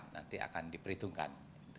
nanti akan diperhitungkan